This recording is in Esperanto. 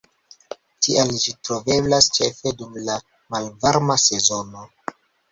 Tial ĝi troveblas ĉefe dum la malvarma sezono.